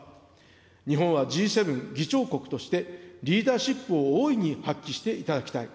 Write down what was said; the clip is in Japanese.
日本はＧ７議長国として、リーダーシップを大いに発揮していただきたい。